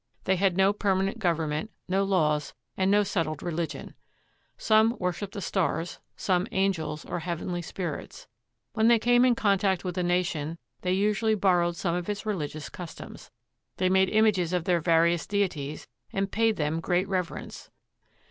They had no permanent government, no laws, and no settled religion. Some worshiped the stars, some angels or heavenly spirits. When they came in contact with a nation, they usually bor rowed some of its religious customs. They made images of their various deities and paid them great reverence.